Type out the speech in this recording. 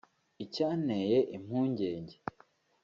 Icyanteye impungenge